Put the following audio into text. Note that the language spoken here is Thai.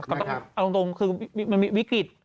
เอาจริงคือมันมีวิกฤติ